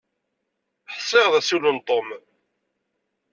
Ḥsiɣ d asiwel n Tom.